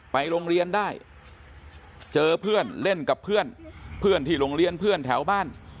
ไปโรงเรียนได้เจอเพื่อนเล่นกับเพื่อนเพื่อนที่โรงเรียนเพื่อนแถวบ้าน